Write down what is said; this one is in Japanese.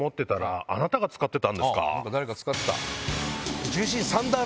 誰か使ってた？